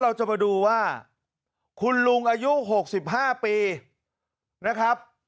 เราจะมาดูว่าคุณลุงอายุหกสิบห้าปีนะครับ